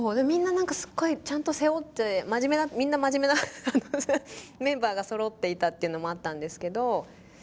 みんななんかすっごいちゃんと背負ってみんな真面目なメンバーがそろっていたっていうのもあったんですけど。